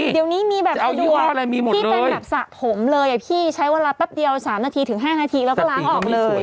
เดี๋ยวนี้มีแบบเอาดวงที่เป็นแบบสระผมเลยอะพี่ใช้เวลาแป๊บเดียว๓นาทีถึง๕นาทีแล้วก็ล้างออกเลย